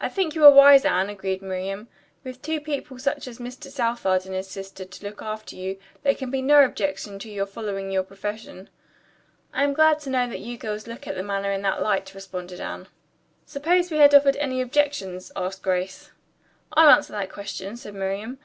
"I think you are wise, Anne," agreed Miriam. "With two such people as Mr. Southard and his sister to look after you, there can be no objection to your following your profession." "I am glad to know that you girls look at the matter in that light," replied Anne. "Suppose we had offered any objections?" asked Grace. "I'll answer that question," said Miriam.